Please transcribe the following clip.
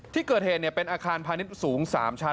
ที่เกิดเหตุเป็นอาคารพาณิชย์สูง๓ชั้น